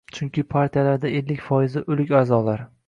chunki partiyalarda ellik foizi «o‘lik» a’zolar.